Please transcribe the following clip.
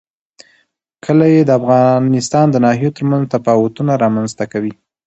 کلي د افغانستان د ناحیو ترمنځ تفاوتونه رامنځ ته کوي.